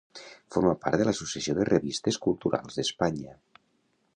Forma part de l'Associació de Revistes Culturals d'Espanya.